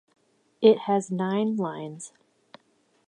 It has nine lines.